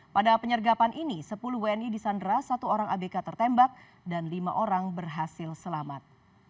pada penyergapan ini sepuluh wni di sandra satu orang abk tertembak dan lima orang berhasil selamat